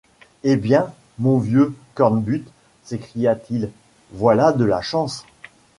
Eh bien! mon vieux Cornbutte, s’écria-t-il, voilà de la chance !